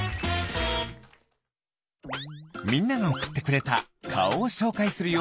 みんながおくってくれたかおをしょうかいするよ。